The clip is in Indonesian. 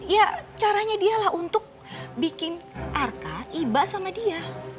ya caranya dialah untuk bikin arka iba sama dia